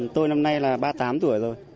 tôi năm nay là ba mươi tám tuổi rồi